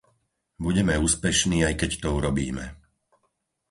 Budeme úspešní, aj keď to urobíme.